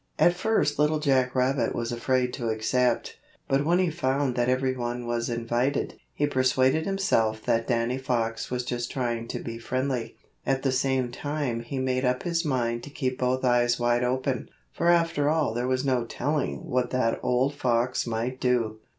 At first Little Jack Rabbit was afraid to accept, but when he found that everyone was invited, he persuaded himself that Danny Fox was just trying to be friendly. At the same time he made up his mind to keep both eyes wide open, for after all there was no telling what that old fox might do.